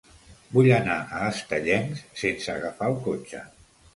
Vull anar a Estellencs sense agafar el cotxe.